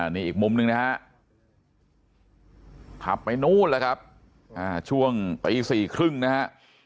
นี่อีกมุมนึงนะฮะขับไปนู้นนะครับช่วงปี๔ครึ่งนะฮะ